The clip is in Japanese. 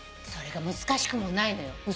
それが難しくもないのよ。